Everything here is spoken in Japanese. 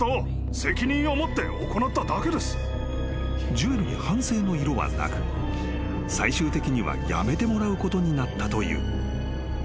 ［ジュエルに反省の色はなく最終的には辞めてもらうことになったという］